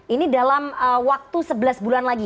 ini dalam waktu sebelas bulan lagi